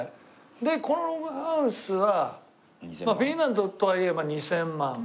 でこのログハウスはまあフィンランドとはいえ２０００万ぐらいから。